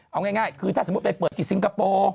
เอาง่ายคือถ้าสมมุติไปเปิดที่ซิงคโปร์